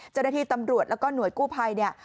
เจ้าหน้าที่ตำรวจแล้วก็หน่วยกู้ภัยเนี่ย